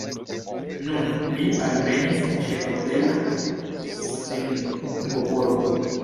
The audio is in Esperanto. Nun li alvenis ĉe hotela svingopordo.